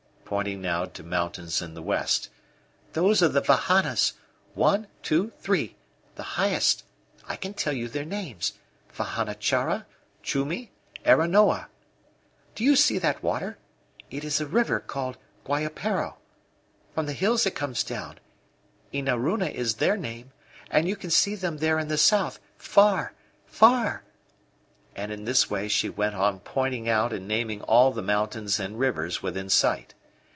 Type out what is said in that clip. pointing now to mountains in the west. "Those are the Vahanas one, two, three the highest I can tell you their names Vahana Chara, Chumi, Aranoa. Do you see that water? It is a river, called Guaypero. From the hills it comes down, Inaruna is their name, and you can see them there in the south far, far." And in this way she went on pointing out and naming all the mountains and rivers within sight.